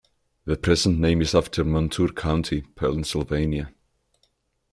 The present name is after Montour County, Pennsylvania.